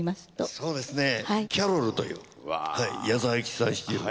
そうですねキャロルという矢沢永吉さん率いる。